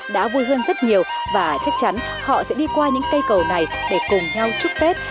đã vui hơn rất nhiều và chắc chắn họ sẽ đi qua những cây cầu này để cùng nhau chúc tết